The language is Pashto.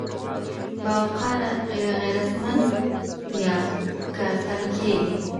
باوقاره، غيرتمن يا که تنکي دي؟